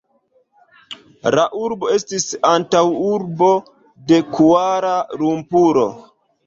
La urbo estis antaŭurbo de Kuala-Lumpuro.